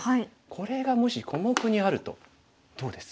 これがもし小目にあるとどうです？